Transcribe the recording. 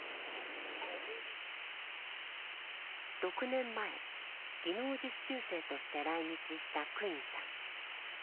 ６年前技能実習生として来日したクインさん。